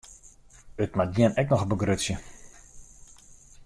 It moat jin ek noch begrutsje.